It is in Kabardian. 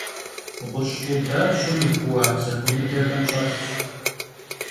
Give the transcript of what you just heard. Ğuş' rudar ş'ım yi kuuağ zexuemıdexem ş'elhş.